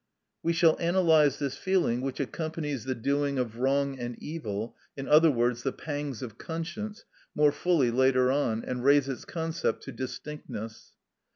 (We shall analyse this feeling which accompanies the doing of wrong and evil, in other words, the pangs of conscience, more fully later on, and raise its concept to distinctness.)